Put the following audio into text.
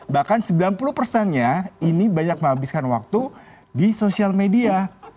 bahkan sembilan puluh persennya ini banyak menghabiskan waktu di sosial media